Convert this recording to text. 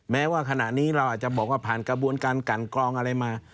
แม้ว่าขณะนี้เราอาจจะบอกว่าผ่านกระบวนการกันกรองอะไรมา